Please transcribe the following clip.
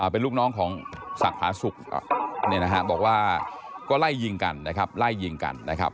เป็นลูกน้องของศักดิ์พ้าศุกร์เนี่ยนะครับบอกว่าก็ไล่ยิงกันนะครับไล่ยิงกันนะครับ